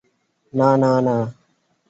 না না না।